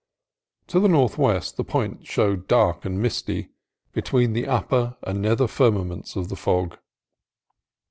To the northwest the point showed dark and misty between the upper and nether firmaments of the fog.